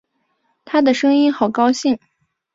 她的声音好高兴